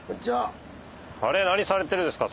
何されてるんですか？